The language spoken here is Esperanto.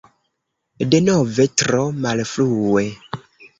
Denove tro malfrue.